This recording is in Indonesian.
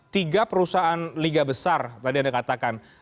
tiga perusahaan liga besar tadi anda katakan